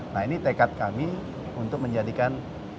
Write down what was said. nah ini tekad kami untuk menjadikan